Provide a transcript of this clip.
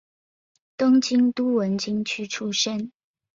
东京都文京区出身。